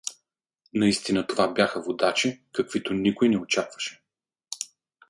Наистина това бяха водачи, каквито никой не очакваше.